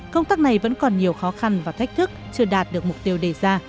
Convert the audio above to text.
công tác này vẫn còn nhiều khó khăn và thách thức chưa đạt được mục tiêu đề ra